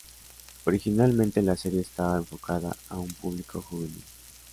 Originalmente la serie estaba enfocada a un público juvenil.